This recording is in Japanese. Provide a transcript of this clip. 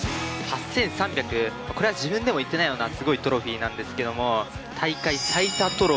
これは自分でもいってないようなすごいトロフィーなんですけども。